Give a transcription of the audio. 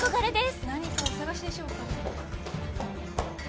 お客さま何かお探しでしょうか？